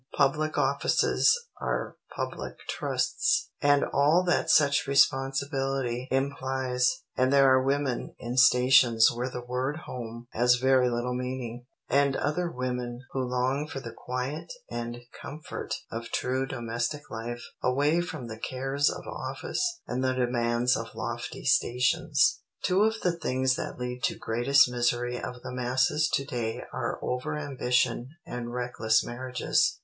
Public offices are public trusts, and all that such responsibility implies, and there are women in stations where the word home has very little meaning, and other women who long for the quiet and comfort of true domestic life away from the cares of office and the demands of lofty stations. Two of the things that lead to greatest misery of the masses to day are over ambition and reckless marriages.